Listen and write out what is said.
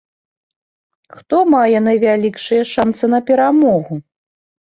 Хто мае найвялікшыя шанцы на перамогу?